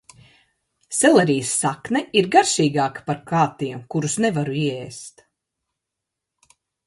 Selerijas sakne ir garšīgāka par kātiem, kurus nevaru ieēst.